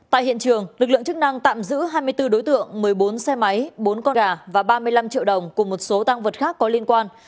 tại hiện trường lực lượng chức năng tạm giữ hai mươi bốn đối tượng một mươi bốn xe máy bốn con gà và ba mươi năm triệu đồng cùng một số tăng vật khác có liên quan